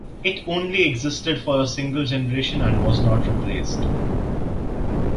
It only existed for a single generation and was not replaced.